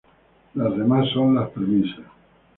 Las demás son las premisas.